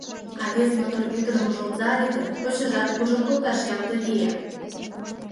А вес мотор ӱдырым ужылдале гын, почешыжат куржын колташ ямде лие.